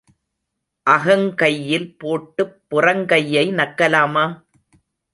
அகங்கையில் போட்டுப் புறங்கையை நக்கலாமா?